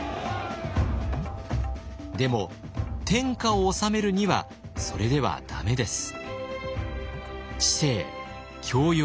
でも天下を治めるにはそれではダメです。